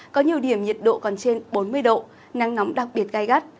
có nhiều điểm nhiệt độ còn trên bốn mươi độ nắng nóng đặc biệt gai gắt